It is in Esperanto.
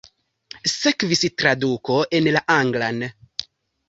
Sekvis traduko en la anglan.